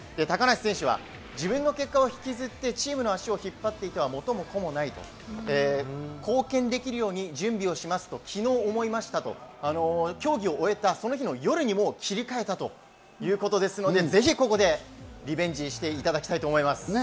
高梨選手は自分の結果を引きずって、チームの足を引っ張っていっては元も子もない、貢献できるように準備をしますと、昨日思いましたと、競技を終えた日のその夜に切り替えたということですので、ぜひここでリベンジしていただきたいと思います。